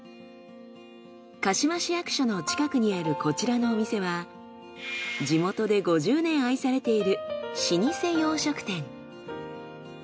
鹿嶋市役所の近くにあるこちらのお店は地元で５０年愛されている老舗洋食店。